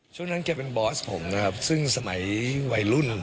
ช่วงนั้นแกเป็นบอสผมนะครับซึ่งสมัยวัยรุ่น